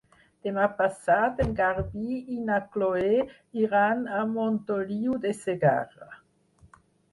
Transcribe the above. Demà passat en Garbí i na Chloé iran a Montoliu de Segarra.